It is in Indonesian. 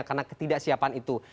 karena ketidaksiapan itu